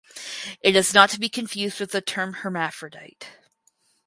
It is not to be confused with the term hermaphrodite.